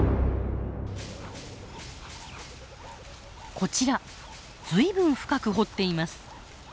こちらずいぶん深く掘っています。